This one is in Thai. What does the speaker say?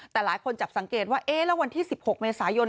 แต่หลายคนจับสังเกตว่าเอ๊ะแล้ววันที่๑๖เมษายน